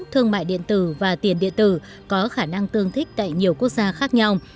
thương mại điện tử và tiền điện tử có khả năng tương thích tại nhiều quốc gia khác nhau